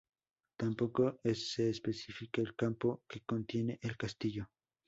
Tampoco se especifica el campo que contiene el castillo.